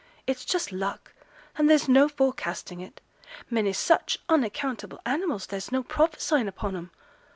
It's just luck, and there's no forecasting it. Men is such unaccountable animals, there's no prophesyin' upon 'em.